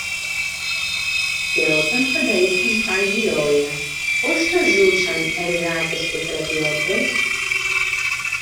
Και όταν θα τα είχαν φάγει όλα, πώς θα ζούσαν, εργάτες και στρατιώτες;